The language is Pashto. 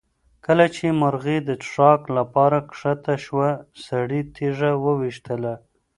کله چې مرغۍ د څښاک لپاره کښته شوه سړي تیږه وویشتله.